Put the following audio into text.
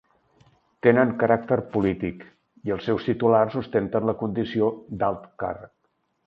Tenen caràcter polític, i els seus titulars ostenten la condició d'alt càrrec.